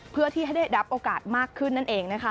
เพื่อที่ให้ได้รับโอกาสมากขึ้นนั่นเองนะคะ